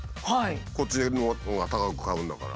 こっちのほうが高く買うんだから。